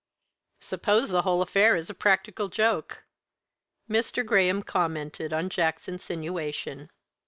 "Suppose the whole affair is a practical joke?" Mr. Graham commented on Jack's insinuation.